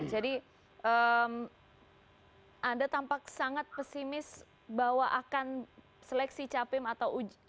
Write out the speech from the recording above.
jadi anda tampak sangat pesimis bahwa akan seleksi capim atau